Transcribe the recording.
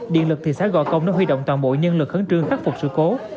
điện lực thì xã gò công đã huy động toàn bộ nhân lực khấn trương khắc phục sự cố